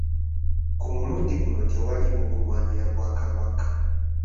Ku mulundi guno tewaaliwo kulwanira bwakabaka.